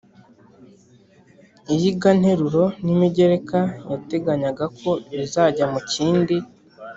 iyiganteruro n’imigereka yateganyaga ko bizajya mu kindi